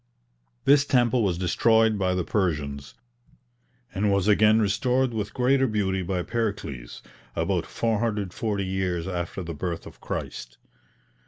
This temple was destroyed by the Persians, and was again restored with greater beauty by Pericles, about 440 years after the birth of Christ.